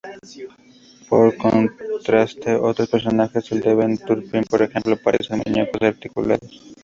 Por contraste, otros personajes, el de Ben Turpin por ejemplo, parecen muñecos articulados.